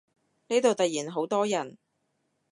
呢度突然好多人